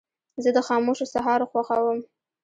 زه د خاموشو سهارو خوښوم.